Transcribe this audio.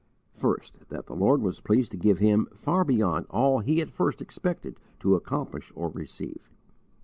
First, that the Lord was pleased to give him far beyond all he at first expected to accomplish or receive.